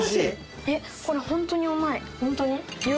これホントにうまい。